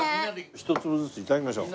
１粒ずつ頂きましょう。